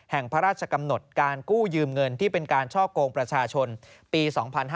แห่งพระราชกำหนดการกู้ยืมเงินที่เป็นการช่อกงประชาชนปี๒๕๕๙